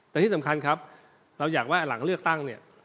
แต่ที่สำคัญครับเราอยากว่าหลังเลือกตั้งเนี่ย